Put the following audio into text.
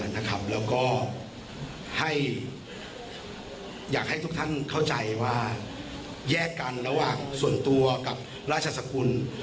แล้วก็ให้อยากให้ทุกท่านเข้าใจว่าแยกกันระหว่างส่วนตัวกับราชสกุล